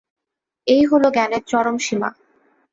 এই হল জ্ঞানের চরম সীমা।